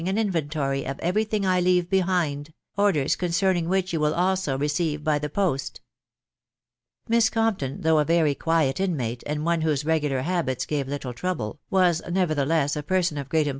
an *nventory of every thing I leave behind .... orders \j> ?% which you will also receive by the post." *e#ular r'onipton, though a very quiet inmate, and one whose ^Ttat fiii k'18 Save tittle trouble, was nevertheless a person of b^}?a clini?